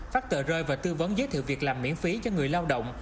phát tờ rơi và tư vấn giới thiệu việc làm miễn phí cho người lao động